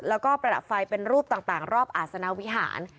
แล้วก็ประดับไฟเป็นรูปต่างรอบอาศนาวิหาร